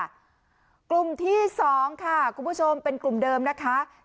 กลุ่มที่สองค่ะคุณผู้ชมเป็นกลุ่มเดิมนะคะ